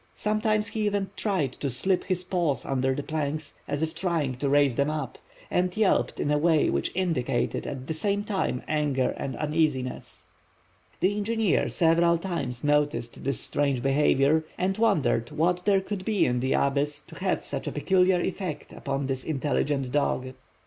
Sometimes he even tried to slip his paws under the planks, as if trying to raise them up, and yelped in a way which indicated at the same time anger and uneasiness. The engineer several times noticed this strange behavior, and wondered what there could be in the abyss to have such a peculiar effect upon this intelligent dog.